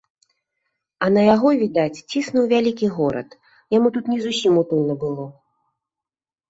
А на яго, відаць, ціснуў вялікі горад, яму тут не зусім утульна было.